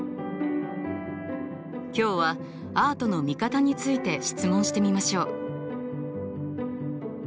今日はアートの見方について質問してみましょう。